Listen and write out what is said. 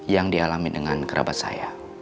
yang dialami dengan kerabat saya